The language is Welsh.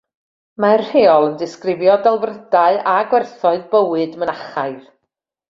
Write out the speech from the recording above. Mae'r rheol yn disgrifio delfrydau a gwerthoedd bywyd mynachaidd.